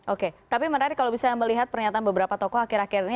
oke tapi menarik kalau bisa melihat pernyataan beberapa tokoh akhir akhir ini